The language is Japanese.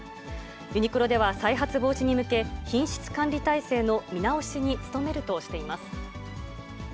ユニクロでは再発防止に向け、品質管理体制の見直しに努めるとしています。